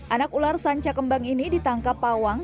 anak ular sanca kembang ini ditangkap pawang